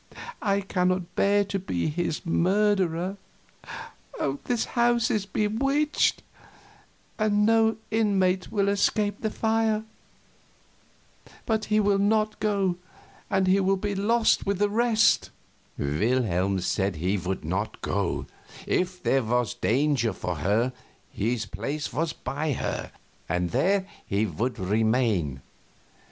I cannot bear to be his murderer. This house is bewitched, and no inmate will escape the fire. But he will not go, and he will be lost with the rest." Wilhelm said he would not go; if there was danger for her, his place was by her, and there he would remain.